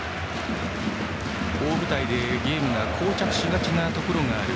大舞台でゲームがこう着しがちなところがある